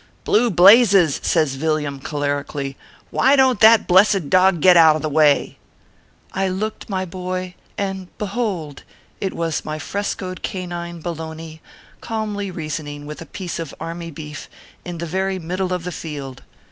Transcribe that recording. Blue blazes !" says Villiam, cholerically, " Why don t that blessed dog get out of the way ?" I looked, my boy, and, behold ! it was my frescoed canine, Bologna, calmly reasoning with a piece of army beef, in the very middle of the field.